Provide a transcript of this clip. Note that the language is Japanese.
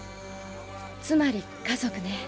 つまり家族ね。